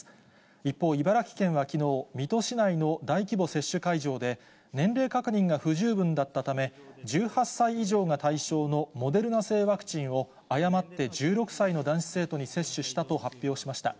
一方、茨城県はきのう、水戸市内の大規模接種会場で、年齢確認が不十分だったため、１８歳以上が対象のモデルナ製ワクチンを、誤って１６歳の男子生徒に接種したと発表しました。